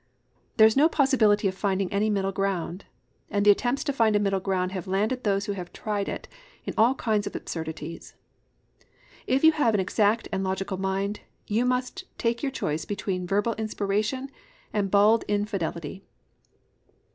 There is no possibility of finding any middle ground, and the attempts to find a middle ground have landed those who have tried it in all kinds of absurdities. If you have an exact and logical mind, you must take your choice between Verbal Inspiration and bald infidelity.